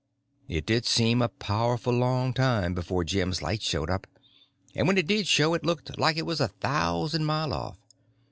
It did seem a powerful long time before Jim's light showed up; and when it did show it looked like it was a thousand mile off.